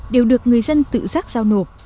đều được người dân tự giác giao nộp